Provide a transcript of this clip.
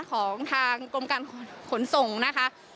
ของทางกรมการขนส่งนะคะ